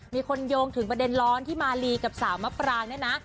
มีคนโยงถึงประเด็นร้อนที่มาลีกับสาวมะปรางเนี่ยนะ